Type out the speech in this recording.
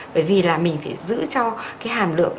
bởi vì là mình phải giữ cho cái hàm lượng